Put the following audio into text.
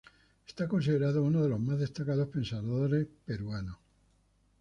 Es considerado uno de los más destacados pensadores peruanos.